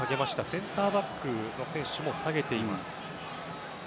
センターバックの選手も下げています。